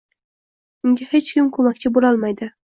unga hech kim koʻmakchi boʻlolmaydi